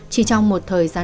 chỉ trong một thời gian